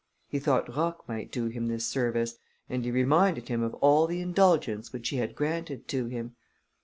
He thought Roch might do him this service, and he reminded him of all the indulgence which he had granted to him.